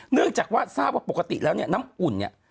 เนื่องจากว่าทราบว่าปกติแล้วเนี่ยน้ำอุ่นเนี่ย